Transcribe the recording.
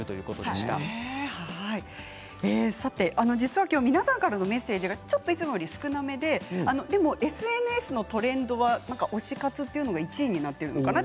実はきょう皆さんからのメッセージがちょっといつもよりも少なめででもＳＮＳのトレンドは推し活が１位になってるのかな？